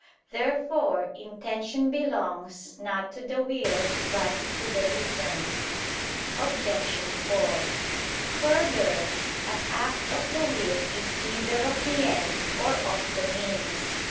Therefore intention belongs not to the will but to the reason. Obj. 4: Further, an act of the will is either of the end or of the means.